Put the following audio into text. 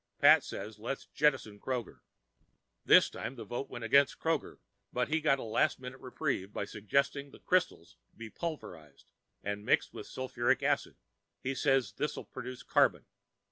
Pat says let's jettison Kroger. This time the vote went against Kroger, but he got a last minute reprieve by suggesting the crystals be pulverized and mixed with sulphuric acid. He says this'll produce carbon.